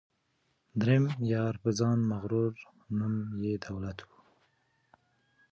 دریم یار په ځان مغرور نوم یې دولت وو